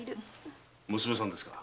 娘さんですか？